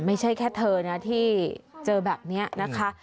ไม่ใช่แค่เธอนะที่เจอแบบนี้นะคะ